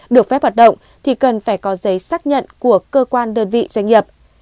được phép hoạt động thì cần phải có giấy xác nhận của cơ quan đơn vị doanh nghiệp